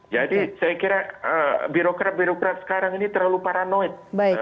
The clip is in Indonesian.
jadi saya kira birokrat birokrat sekarang ini terlalu paranoid